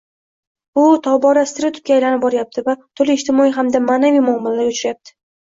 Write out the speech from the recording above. Bu tobora stereotipga aylanib boryapti va turfa ijtimoiy hamda ma’naviy muammolarni urchityapti.